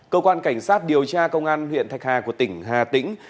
cơ quan cảnh sát điều tra công an huyện thạch hà của tỉnh hà tĩnh